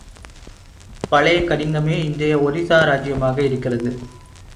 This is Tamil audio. பழைய கலிங்கமே, இன்றைய ஒரிஸ்ஸா ராஜ்ஜியமாக இருக்கிறது.